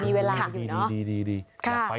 มีเวลาอยู่เนอะ